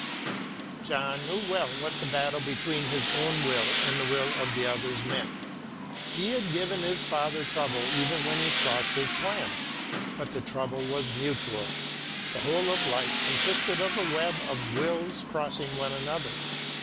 John knew well what the battle between his own will and the will of others meant. He had given his father trouble enough when he crossed his plans; but the trouble was mutual; the whole of life consisted of a web of wills crossing one another.